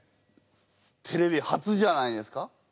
テレビ初じゃないですか？